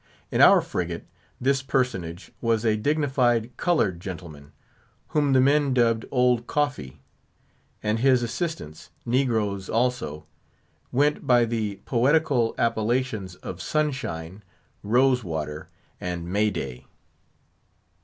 In our frigate, this personage was a dignified coloured gentleman, whom the men dubbed "Old Coffee;" and his assistants, negroes also, went by the poetical appellations of "Sunshine," "Rose water," and "May day."